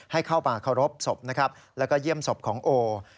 ให้เข้ามาเคารพศพและเยี่ยมศพของโอ